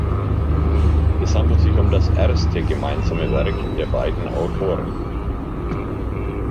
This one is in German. Es handelt sich um das erste gemeinsame Werk der beiden Autoren.